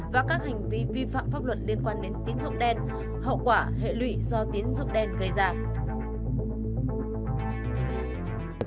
và các hành vi vi phạm pháp luật liên quan đến tín dụng đen hậu quả hệ lụy do tín dụng đen gây ra